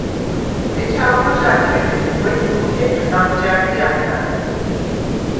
ეჩანღო ჟ’ა̈კენეხ, ღვე ჩუ ჷგემხ ნამჯა̈რდ ი აჴა̈რდ.